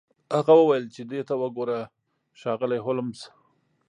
هغه وویل چې دې ته وګوره ښاغلی هولمز